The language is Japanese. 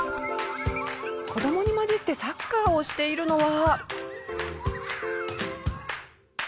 子どもに交じってサッカーをしているのは。